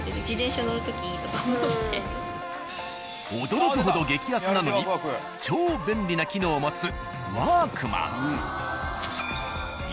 驚くほど激安なのに超便利な機能を持つ「ワークマン」。